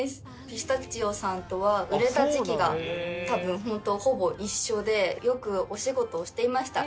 ピスタチオさんとは売れた時期が多分本当ほぼ一緒でよくお仕事をしていました。